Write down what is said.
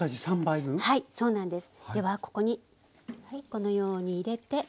ではここにこのように入れて。